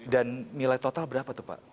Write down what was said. dan nilai total berapa itu pak